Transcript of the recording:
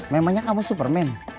memangnya kamu superman